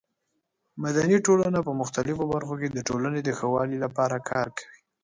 مدني ټولنه په مختلفو برخو کې د ټولنې د ښه والي لپاره کار کوي.